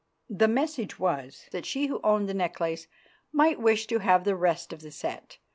The message was that she who owned the necklace might wish to have the rest of the set.